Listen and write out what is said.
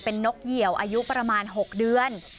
เป็นนกเหี่ยวอายุประมาณ๖เดือน